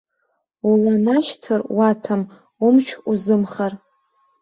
Уланашьҭыр уаҭәам, умч узымхар.